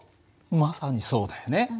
まさにそうだよね。